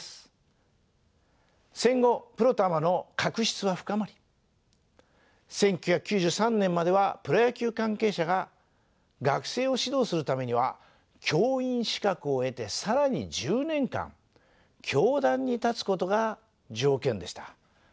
戦後プロとアマの確執は深まり１９９３年まではプロ野球関係者が学生を指導するためには教員資格を得て更に１０年間教壇に立つことが条件でした。